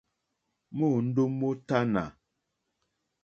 Môndó mótánà.